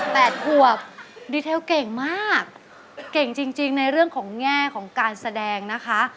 ขวบดีเทลเก่งมากเก่งจริงจริงในเรื่องของแง่ของการแสดงนะคะ